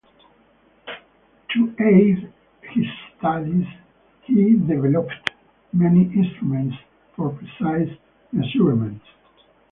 To aid his studies he developed many instruments for precise measurements.